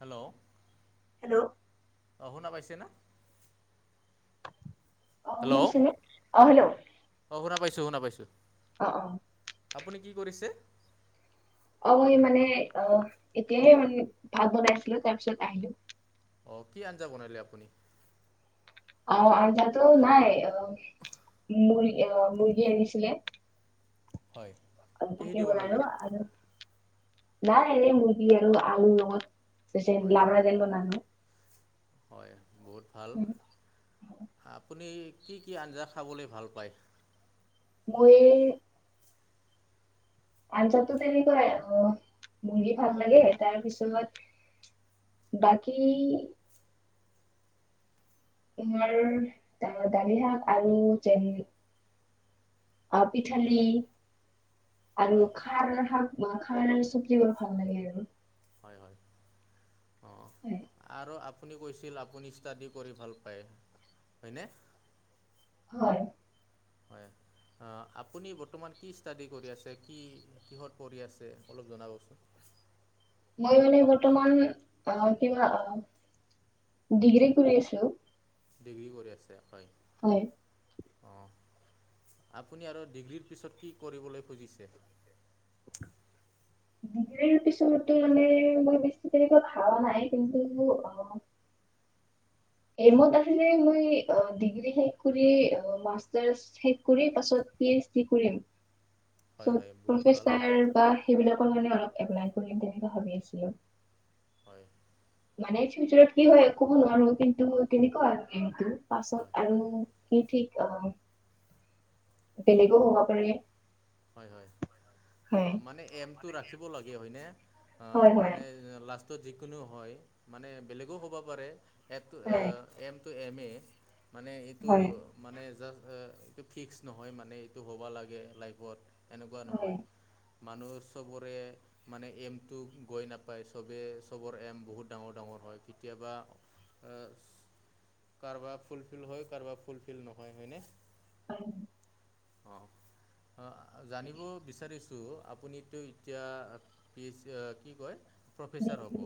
Hello. Hello. অ' শুনা পাইছে না। শুনা পায় ছাৰ নে অ হেল্ল'। অ' শুনা পাইছো শুনা পাইছো। অ' অ'। আপুনি কি কৰিছে। অ' মানে অ' এতিয়াহে মানে ভাত বনাইছিলো এতিয়াহে তাৰ পিছত আহিলো। অ' কি আঞ্জা বনালে আপুনি! অ' আৰু তাতো নাই অ' মু অ' মুৰ্গী আনিছিলে। হয়। চবজিকে কিহেদি বনালো বনালি আৰু নাই মুৰ্গী আৰু আলুৰ হয় হয় লগত। [unintelligible] হয় বহুত ভাল আপুনি কি কি আঞ্জা খাবলৈ ভাল পায়? মোয়েই। আঞ্জাতো তেনেকুৱ অ' মুৰ্গী ভাল লাগে তাৰপিছত বাকী তোমাৰ ত দালি শাক আৰু চেনি। আপি থালি। আৰু হয় খাৰ শাক খাৰ চবজিবোৰ ভাল লাগে আৰু। হয় হয় অ' হয়। আৰু আপ আপুনি কৈছিল আপুনি ষ্টাডি কৰি ভাল পায় হয়নে? হয়। হয়। অ', আপুনি বৰ্তমান কি ষ্টাডি কৰি আছে, কি, কিহত পঢ়ি আছে, অলপ জনাবচোন। মই মানে বৰ্তমান, অ', কিবা ডিগ্ৰী কৰি আছোঁ। ডিগ্ৰী কৰি আছে, হয়। হয়। অ', আপুনি আৰু ডিগ্ৰীৰ পিছত কি কৰিবলৈ খুজিছে? ডিগ্ৰীৰ পিছতেই মানে, মই বেছি আকো ভাবা নাই, কিন্তু অ' এইমত আছিল, মই ডিগ্ৰী শেষ কৰি মাষ্টাৰ্ছ শেষ কৰি, পাছত পি এইচ ডি কৰিম। [inaudible] চ', বহুত ভাল প্ৰফেছাৰ বা সেইবিলাকৰ কাৰণে অলপ এপলাই কৰিম, তেনেকা ভাবি আছিলোঁ। হয়। মানে ফিউচাৰত কি হয় ক'ব নোৱাৰো, কিন্তু তেনেকুৱা আৰু কিন্তু, হয় পাছত হয় আৰু কি ঠিক আ বেলেগু হোৱা পাৰে। হয়, হয়, হয়। মানে এমটো ৰাখিব লাগে হয়নে, আহ, হয় হয় মানে লাষ্টত যিকোনো হয়, মানে বেলেগো হ'ব পাৰে, এট হয় এম টো এম এ, মানে এইটো হয় মানে জাষ্ট, এইটো ফিক্স নহয় মানে এইটো হ'ব লাগে লাইফত। এনেকুৱা হয়। নহয়, মানুহ চবৰে মানে এমটো গৈ নাপায়, চবে চবৰ এম বহুত ডাঙৰ-ডাঙৰ হয়, কেতিয়াবা অ', কাৰোবাৰ ফুলফিল হয়, কাৰোবাৰ ফুলফিল নহয়, হয়নে? হয়। অ', অ', জানিব বিচাৰি ছোঁ, আপুনিতো এতিয়া পিচ, কি কয়, প্ৰফেচাৰ হ'ব।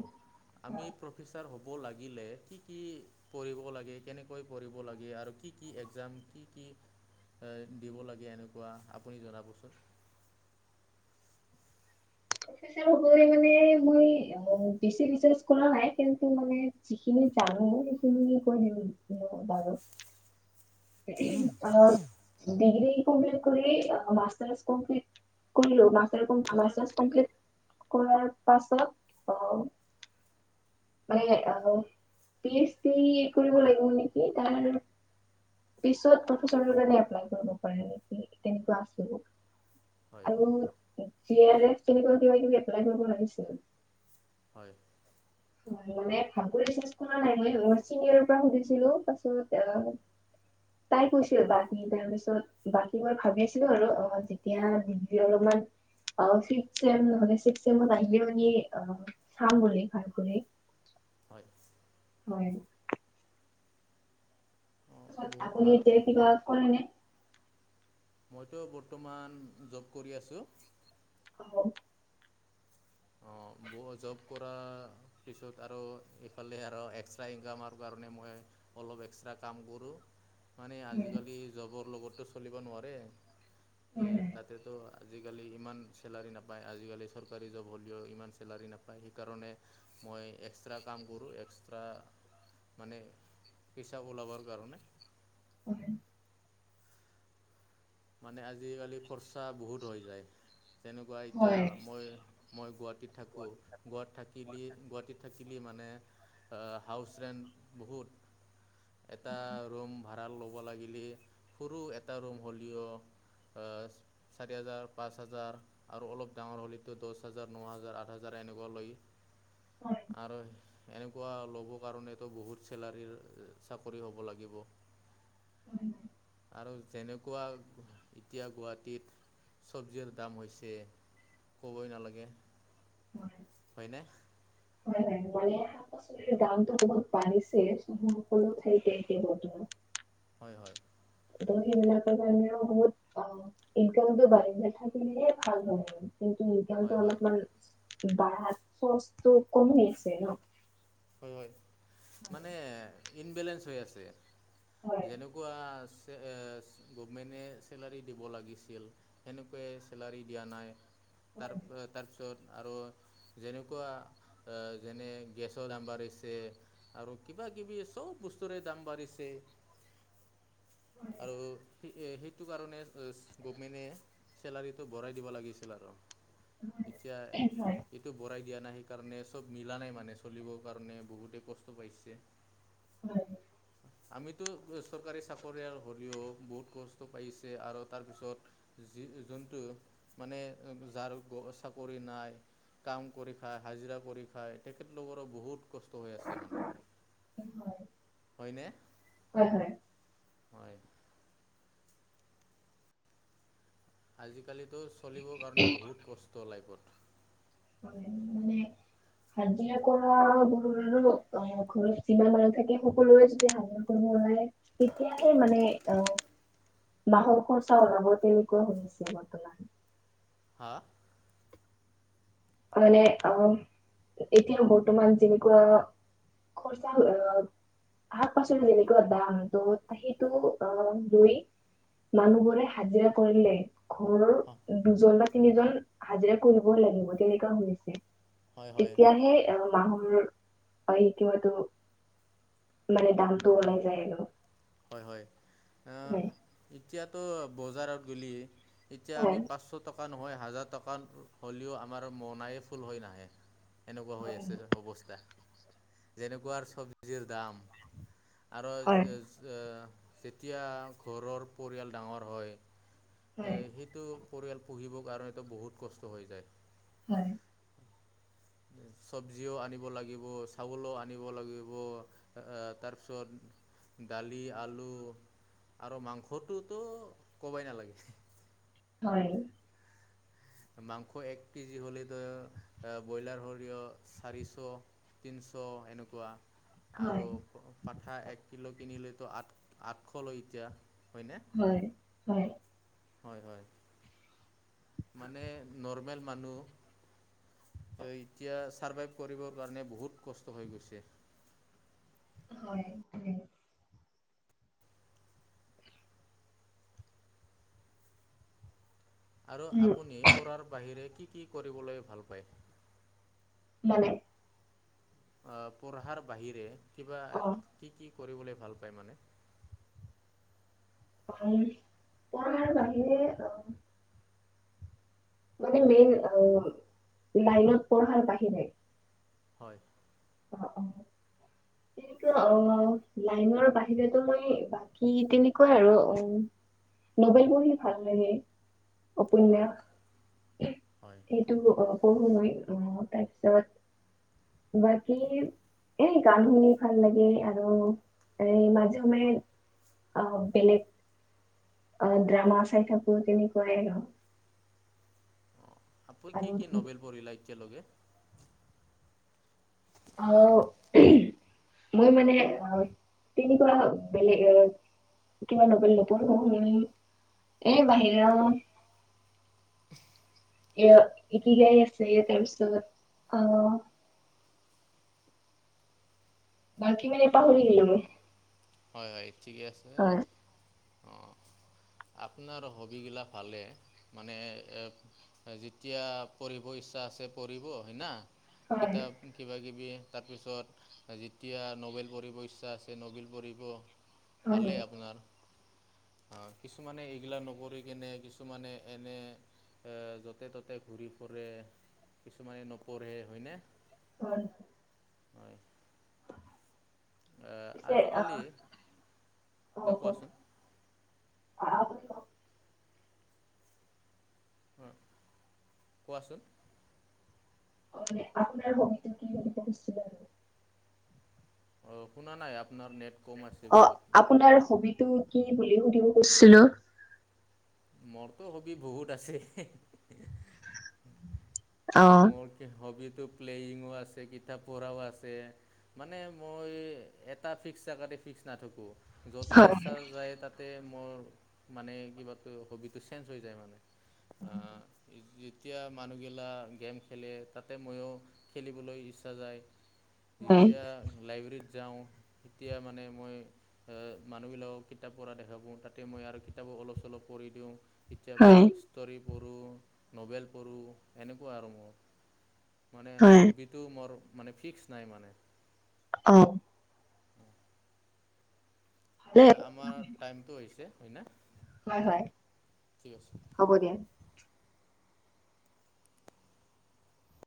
আমি প্ৰফেচাৰ হ'ব লাগিলে, কি-কি পঢ়িব লাগে, কেনেকৈ পঢ়িব লাগে, আৰু কি-কি এক্সাম, কি-কি আ, দিব লাগে এনেকুৱা, আপুনি জনাবচোন। প্ৰফেছাৰ হ'বলৈ মানে মই বেচি ৰিচাৰ কৰা নাই, কিন্তু মানে যিখিনি জানোঁ, সেইখিনি কৈ দিওঁ বাৰু। আ, ডিগ্ৰী কমপ্লিট কৰি, মাষ্টাৰ্ছ কমপ্লিট কৰিলোঁ, মাছ, মাষ্টাৰ্ছ কমপ্লিট কৰাৰ পাছত অ' মানে অ', পি এছ দি কৰিব লাগিব নেকি, তাৰ পিছত, প্ৰফেছাৰ কাৰণে এপ্লাই কৰিব পাৰে নেকি, তেনেকুৱা আছিল। হয় আৰু [unintelligible] তেনেকুৱা কিবা-কিবি এপ্লাই কৰিব লাগিছিল। হয়। হয়, মানে [unintelligible] চিনিয়ৰ পৰা সুধিছিলোঁ, পাছত আহ, তাই কৈছিল, বাকী তাৰ পিছত বাকী মই ভাবিচিলোঁ আৰু, অ', যেতিয়া [unintelligible] অলপমান অ ফিইপত চেম, নহলে ছিক্স চেমত আহিও পিনী, চাম বুলি হয়। কোনে? হয়। হয়। অঁ বহুত আপুনি ভাল এতিয়া কিবা কৰে নে? মইতো বৰ্তমান, জব কৰি আছোঁ। অ'। অ', মোৰ জব কৰা পিছত আৰু এইফালে আৰু এক্সট্ৰা ইনকামৰ কাৰণে মই অলপ এক্সট্ৰা কাম কৰো। মানে আজিকালি জবৰ লগতো চলিব নোৱাৰে, সে হয়। তাতেতো আজিকালি ইমান চেলাৰী নাপায়, আজিকালি চৰকাৰী জব হলেও ইমান চেলাৰী নাপায় সেইকাৰণে মই এক্সট্ৰা কাম কৰো এক্সট্ৰা মানে হিচাব ওলাবৰ কাৰণে। হয়। মানে আজিকালি খৰচা বহুত হৈ যায় তেনেকুৱা এতিয়া হয় হয় মই মই গুৱাহাটীত থাকো, গুৱাত থাকিলি গুৱাহাটীত থাকিলি মানে আ হাউচৰেণ্ট বহুত। এটা ৰুম ভাড়া ল'ব লাগিলি, সৰু এটা ৰুম হ'ল দিও আ চাৰি হাজাৰ, পাঁচ হাজাৰ। আৰু অলপ ডাঙৰ হ'লেও তো দছ হাজাৰ, ন হাজাৰ, আঠ হাজাৰ এনেকুৱা লৈ। হয় আৰু এনেকুৱা ল'ব কাৰণেতো বহুত চেলাৰীৰ চাকৰি হ'ব লাগিব। উম। আৰু যেনেকুৱা এতিয়া গুৱাহাটীত চবজিৰ দাম হৈছে। ক'বই নালাগে। হয়। হয়নে? [unintelligible] পাচলিৰ দামটো বহুত বাঢ়িছে চব সকলো ঠাইতে একে বৰ্তমান। হয় হয়। ত সেইবিলাকৰ কাৰণে আৰু বহুত অ ইনকামতটো বাঢ়ি নাথাকিলেহে ভাল হয়। কিন্তু হয় এতিয়াতো হয় অলপমান বাঢ়া খৰচটো কমেই আছে ন। হয় হয় মানে ইনবেলেঞ্চ হৈ আছে। হয় যেনেকুৱা চে এ গভমেণ্টে চেলাৰী দিব লাগিছিল। সেনেকুৱে চেলাৰী দিয়া নাই তাৰ হয় তাৰপিছত আৰু যেনেকুৱা আ যেনে গেছৰ দাম বাঢ়িছে। আৰু কিবা কিবি চব বস্তুৰে দাম বাঢ়িছে। হয় আৰু সি এ সেইটো কাৰণে এচ গভমেণ্টে চেলাৰীটো বঢ়ায় দিব লাগিছিল আৰু এতিয়া হয় ই টো বঢ়াই দিয়া নাই সেইকাৰণে চব মিলা নাই মানে চলিব কাৰণে বহুতে কষ্ট পাইছে। হয়। আমিতো চৰকাৰী চাকৰিয়াৰ হ'লেও বহুত কষ্ট পাইছে আৰু তাৰপিছত যি যোনটো মানে যাৰ গ চাকৰি নাই কাম কৰি খায়, হাজিৰা কৰি খায় তেখেতলোকৰো বহুত কষ্ট হৈ আছে মানে হয়নে? হয় হয়। হয়। আজিকালিতো চলিব কাৰনে বহুত কষ্ট লাইফত। [unintelligible] হাজিৰা কৰাবোৰো ৰোৰো অ ঘৰত যিমান মানুহ থাকে সকলোৱে যদি হাজিৰা কৰিব ওলায় তেতিয়াহে মানে অ মাহৰ খৰচা ওলাব তেনেকোৱা শুনিছো বৰ্তমান। হা? মানে অ', এতিয়া বৰ্তমান যেনেকুৱা খৰচা হৈ গ'ল। শাক-পাচলি যেনেকুৱা দাম, ত' সেইটো অ' লৈ মানুহবোৰে হাজিৰা কৰিলে ঘৰৰ হা দুজন বা তিনিজন হাজিৰা কৰিব লাগিব, তেনেকুৱা হৈছে। হয় হয় তেতিয়াহে অহ মাহৰ, হয় এতিয়াটো মানে দামটো ওলাই যায় আৰু। হয়, হয়, অ' হয় এতিয়াতো বজাৰত গ'লি এতিয়া আমি হয় পাঁচশ টকা নহয়, হাজাৰ টকাত হ'লেও আমাৰ মৌনাই ফুল হৈ নাহে। এনেকুৱা হৈ হয় আছে যেন অৱস্থা, যেনেকুৱাৰ চব্জিৰ দাম। আৰু হয় যে-যে-যেতিয়া ঘৰৰ পৰিয়াল ডাঙৰ হয় এ হয় সেইটো পৰিয়াল পুহিবৰ কাৰণেতো বহুত কষ্ট হৈ যায়। হয়। চব্জিও আনিব লাগিব, চাউলো আনিব লাগিব। আ, আ তাৰপিছত দালি, আলু আৰু মাংসটোতো ক'বাই নালাগে। হয়। মাংস এক কেজি হ'লেতো, আ ব্ৰইলাৰ ধৰি ল' চাৰিশ তিনিশ এনেকুৱা। হয় আৰু পা-পাঠা এক কিলো কিনিলেতো আঠ-আঠশ লয় এতিয়া, হয়নে? হয়, হয়। হয়, হয়। মানে নৰমেল মানুহ এ এতিয়া ছাৰ্ভাইভ কৰিবৰ কাৰণে, বহুত কষ্ট হৈ গৈছে। হয়। হয় আৰু উম আপুনি পঢ়াৰ বাহিৰে কি কি কৰিবলৈ ভাল পায়? মানে? আ পঢ়াৰ বাহিৰে কিবা অ এটা কি কি কৰিবলৈ ভাল পায় মানে? মই, পঢ়াৰ বাহিৰে অ' মানে মেইন, আ লাইনত পঢ়াৰ বাহিৰে হয়। অ', অ'। [inaudible] [unintelligible] অ' লাইনৰ বাহিৰেতো মই, বাকী তেনেকুৱা আৰু অ' নবেল পঢ়ি ভাল লাগে, হয়, উপন্যাস হয়। টো, অ' পঢ়ো মই অ' তাৰপিছত সি এ গান শুনি ভাল লাগে, আৰু এ মাজে সময়ে আ বেলেগ অ' ড্ৰামা চাই থাকো, তেনেকুৱাই আৰু। আপুনি কি আৰু কি নবেল পঢ়িলে এতিয়ালৈকে? [unintelligible] আৰু মই মানে অ' তেনেকুৱা বেলেগ এ কিবা নবেল নপঢ়োৱে, এ বাহিৰ ৰা এ এতিকাই আছে তাৰ পিছত অ' [unintelligible] বাকী মানে পাহৰি গেলো মই। হয়, হয় ঠিকে আছে হয়। অ' আপোনাৰ হবগিলা ফালে মানে এ যেতিয়া পঢ়িব ইচ্ছা আছে পঢ়িব হয় না। হয় কিতাপ কিবা কিবি তাৰপিছত যেতিয়া নবেল পঢ়িব ইচ্ছা আছে নবেল পঢ়িব। হয় ভালেই আপোনাৰ। কিছুমানে এইগিলা নকৰি কেনে কিছুমানে এনে য'তে-ত'তে ঘূৰি ফুৰে কিছুমানে নপঢ়ে হয়নে? হয়। হয় আহ পিছে আজি আহ কালি দে অ কওক, কোৱাচোন? আপুনি কওক। হম, কোৱাচোন? মানে আপোনাৰ হবিতটো কি বুলি পঢ়িছিলে আৰু [unintelligible] অ' শুনা নাই আপোনাৰ নেট কম আছে অ' বহুত আপোনাৰ হবিটো কি বুলি সুধিব খুজিছিলো? মোৰটো হবি বহুত আছে। অ মোৰ হবিটো প্লেয়িঙো আছে কিতাপ পঢ়াও আছে। মানে মই এটা ফিক্স জেগাতে ফিক্স নাথাকো য'তে হয় ইচ্ছা যায় তাত তাতে মোৰ মানে কিবাটো হবিটো চেঞ্জ হৈ যায় মানে। যেতিয়া মানুহগিলা গেম খেলে তাতে ময়ো খেলিবলৈ ইচ্ছা যায়। হয় যেতিয়া লাইব্ৰেৰিত যাওঁ তেতিয়া মানে এ মানুহবিলাকক কিতাপ পঢ়া দেখা পাওঁ তাতে মই আৰু কিতাপো অলপ চলপ পঢ়ি দিওঁ। কেতিয়াবা হয় ষ্টৰী পঢ়োঁ নভেল পঢ়োঁ এনেকুৱা আৰু মই। মানে হয় হবিটো মোৰ মানে ফিক্স নাই মানে। অ', ভালে এতিয়া আমাৰ টাইমটো হৈছে হয় নে? হয়, হয় হ'ব দিয়া।